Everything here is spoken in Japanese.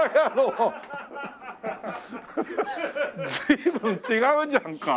随分違うじゃんか。